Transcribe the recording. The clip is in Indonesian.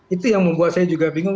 itu yang membuat saya juga bingung